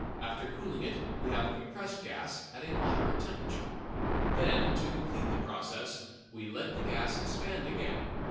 After cooling it we have compressed gas at a moderate temperature. Then, to complete the process, we let the gas expand again.